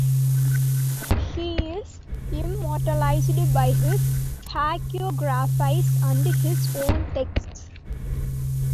He is immortalized by his hagiographies and his own texts.